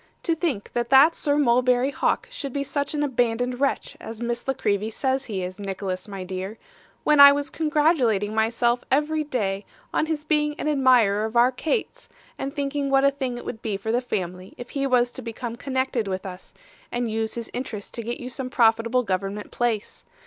'To think that that Sir Mulberry Hawk should be such an abandoned wretch as Miss La Creevy says he is, Nicholas, my dear; when I was congratulating myself every day on his being an admirer of our dear Kate's, and thinking what a thing it would be for the family if he was to become connected with us, and use his interest to get you some profitable government place.